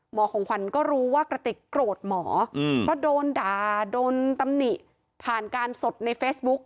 ของขวัญก็รู้ว่ากระติกโกรธหมอเพราะโดนด่าโดนตำหนิผ่านการสดในเฟซบุ๊ก